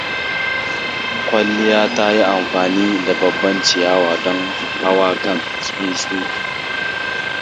Kuliyan ta yi amfani da babban ciyawa don hawa kan tsuntsu.